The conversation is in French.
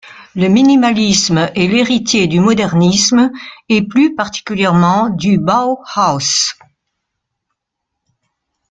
Le minimalisme est l'héritier du modernisme, et plus particulièrement du Bauhaus.